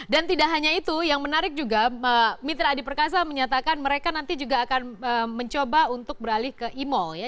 dan tidak hanya itu yang menarik juga mitra adi perkasa menyatakan mereka nanti juga akan mencoba untuk beralih ke e mall ya